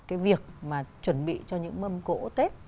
cái việc mà chuẩn bị cho những mâm cỗ tết